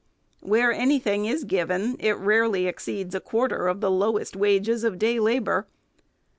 Where any thing is given, it rarely exceeds a quarter of the lowest wages of day labor.